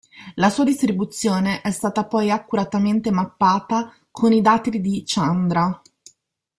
La sua distribuzione è stata poi accuratamente mappata con i dati di Chandra.